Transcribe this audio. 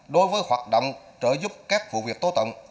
đối với hoạt động trợ giúp các vụ việc tố tụng